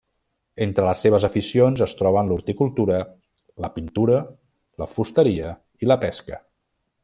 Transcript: Entre les seves aficions es troben l'horticultura, la pintura, la fusteria, i la pesca.